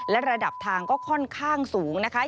และระดับทางก็ค่อนข้างสูงนะคะ